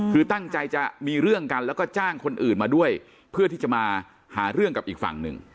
คือตั้งใจจะมีเรื่องกันแล้วก็จ้างคนอื่นมาด้วยเพื่อที่จะมาหาเรื่องกับอีกฝั่งหนึ่ง